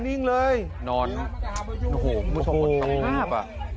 นอนโอ้โหผู้ชมบทรงคาบ